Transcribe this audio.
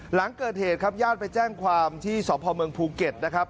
หลังเกิดเหตุครับญาติไปแจ้งความที่สพเมืองภูเก็ตนะครับ